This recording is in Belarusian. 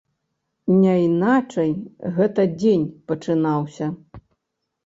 Няйначай, гэта дзень пачынаўся.